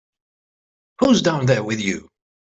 Who's down there with you?